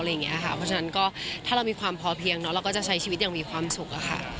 เพราะฉะนั้นก็ถ้าเรามีความพอเพียงเราก็จะใช้ชีวิตอย่างมีความสุขอะค่ะ